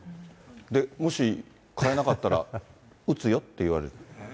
で、もし換えなかったら撃つよって言われる。